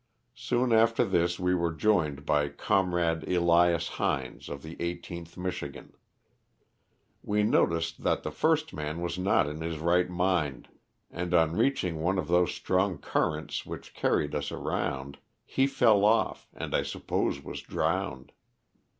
Soon after this we were joined by com rade Elias Hines of the 18th Michigan. We noticed that the first man was not in his right mind, and on reaching one of those strong currents which carried us around, he fell oS and I suppose was drowned.